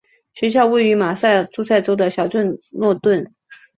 学校位于马萨诸塞州的小镇诺顿。